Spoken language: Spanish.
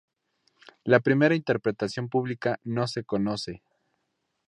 La primera interpretación pública no se conoce.